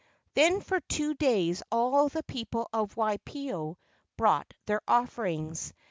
Then for two days all the people of Waipio brought their offerings.